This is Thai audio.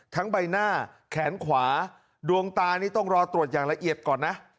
ใบหน้าแขนขวาดวงตานี่ต้องรอตรวจอย่างละเอียดก่อนนะ